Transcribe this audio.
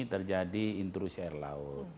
terjadi intrusi air laut